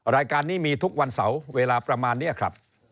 รายการนี้มีทุกวันเสาร์เวลาประมาณนี้ครับ